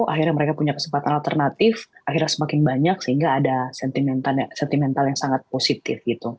akhirnya mereka punya kesempatan alternatif akhirnya semakin banyak sehingga ada sentimental yang sangat positif gitu